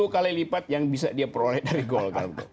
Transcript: sepuluh kali lipat yang bisa dia peroleh dari golkar